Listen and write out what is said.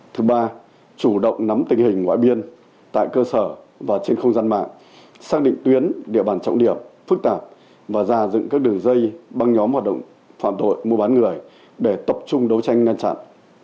thứ ba chủ động nắm tình hình ngoại biên tại cơ sở và trên không gian mạng xác định tuyến địa bàn trọng điểm phức tạp và ra dựng các đường dây băng nhóm hoạt động phạm tội mua bán người để tập trung đấu tranh ngăn chặn